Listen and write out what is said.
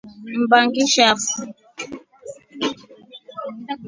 Mba ngishafu.